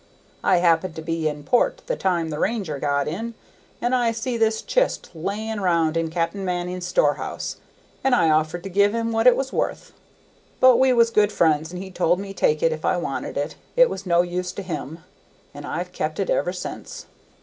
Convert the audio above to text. I happened to be in port the time the Ranger got in, an' I see this chist lying round in Cap'n Manning's storehouse, and I offered to give him what it was worth; but we was good friends, and he told me take it if I wanted it, it was no use to him, and I've kept it ever since.